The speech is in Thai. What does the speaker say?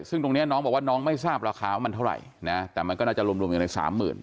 ซึ่งตรงนี้น้องบอกว่าน้องไม่ทราบราคาว่ามันเท่าไหร่นะแต่มันก็น่าจะรวมรวมอยู่ในสามหมื่น